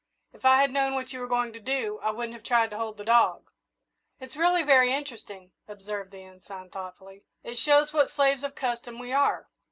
"If I had known what you were going to do, I wouldn't have tried to hold the dog." "It's really very interesting," observed the Ensign, thoughtfully. "It shows what slaves of custom we are.